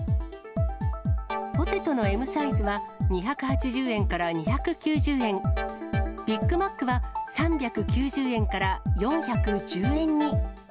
ポテトのＭサイズは２８０円から２９０円、ビッグマックは３９０円から４１０円に。